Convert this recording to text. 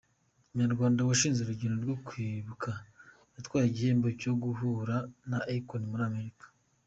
Umunyarwanda washinze Urugendo Rwokwibuka yatwaye igihembo cyo guhura na Akoni muri Amerika